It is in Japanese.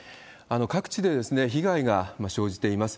各地で被害が生じています。